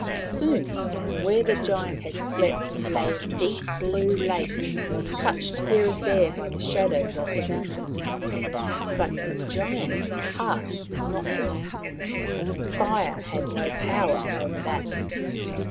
Soon where the giant had slept lay a deep blue lake, touched here and there by the shadows of the mountains. But the giant's heart was not burnt. Fire had no power over that.